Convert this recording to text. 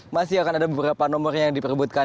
masih akan ada beberapa nomor yang dibutuhkan